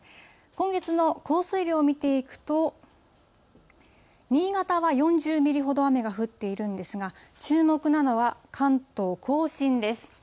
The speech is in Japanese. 今月の降水量を見ていくと、新潟は４０ミリほど雨が降っているんですが、注目なのは、関東甲信です。